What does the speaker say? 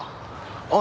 ああ。